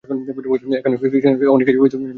এখানকার খ্রীষ্টিয়ানেরা অনেকেই কিছু কিছু লেখাপড়া জানে।